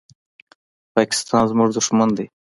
پاکستان زموږ دښمن ده.